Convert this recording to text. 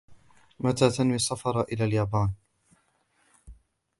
متى تنوي السفر إلى اليابان ؟